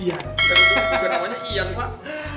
ini baru namanya ian pak